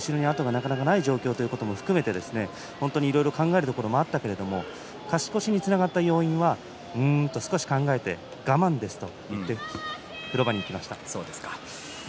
なかなかない状態の中で本当にいろいろ考えることもあったけれども勝ち越しにつながった要因は少し考えて我慢ですと風呂場に行きました。